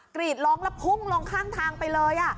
กรีดร้องแล้วพุ่งลงข้างทางไปเลย